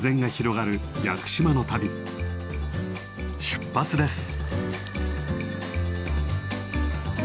出発です。